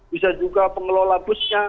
bisa juga pengelola busnya